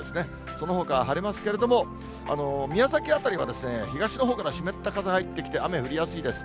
そのほか晴れますけれども、宮崎辺りは、東のほうから湿った風入ってきて、雨降りやすいです。